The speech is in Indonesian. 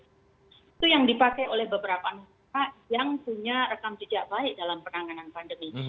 itu yang dipakai oleh beberapa anggota yang punya rekam jejak baik dalam penanganan pandemi